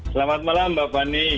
selamat malam mbak pani